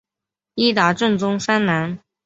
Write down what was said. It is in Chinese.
伊达政宗三男。